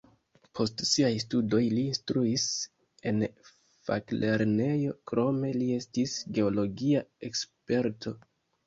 Post siaj studoj li instruis en faklernejo, krome li estis geologia eksperto.